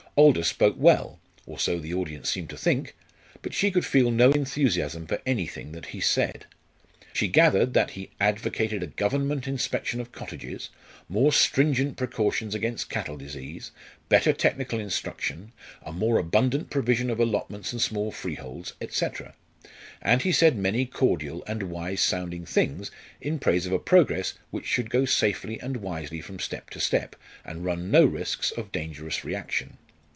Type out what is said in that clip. Aldous spoke well or so the audience seemed to think; but she could feel no enthusiasm for anything that he said. She gathered that he advocated a Government inspection of cottages, more stringent precautions against cattle disease, better technical instruction, a more abundant provision of allotments and small freeholds, &c. and he said many cordial and wise sounding things in praise of a progress which should go safely and wisely from step to step, and run no risks of dangerous reaction.